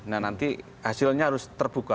nah nanti hasilnya harus terbuka